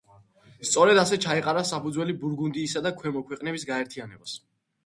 სწორედ ასე ჩაეყარა საფუძველი ბურგუნდიისა და ქვემო ქვეყნების გაერთიანებას.